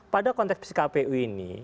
pada konteks pkpu ini